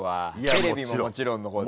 テレビももちろんのこと。